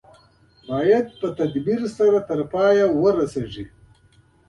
باید په تدبیر او متانت سره تر پایه پورې ورسول شي.